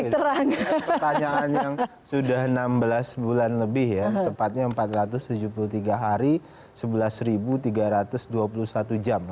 pertanyaan yang sudah enam belas bulan lebih ya tepatnya empat ratus tujuh puluh tiga hari sebelas tiga ratus dua puluh satu jam